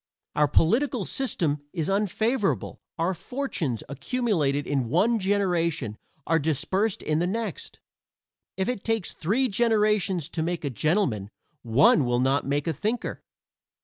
Our political system is unfavorable. Our fortunes, accumulated in one generation, are dispersed in the next. If it takes three generations to make a gentleman one will not make a thinker.